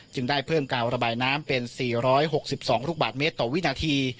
ได้เพิ่มการระบายน้ำเป็น๔๖๒ลูกบาทเมตรต่อวินาที